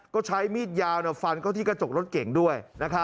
ก็ใช้มีดยาวฟันเข้าที่กระจกรถเก่งด้วย